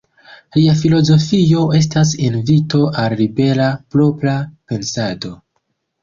Lia filozofio estas invito al libera, propra, pensado.